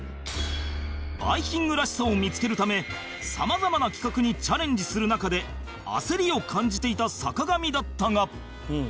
『バイキング』らしさを見付けるためさまざまな企画にチャレンジする中で焦りを感じていた坂上だったが